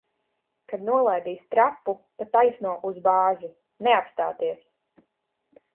Kad nolaidīs trapu, pa taisno uz bāzi. Neapstāties!